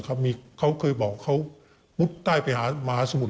เขาเคยบอกเขามุดใต้ไปหามหาสมุทร